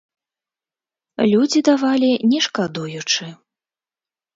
Людзі давалі не шкадуючы.